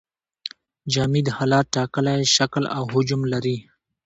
جامد حالت ټاکلی شکل او حجم لري.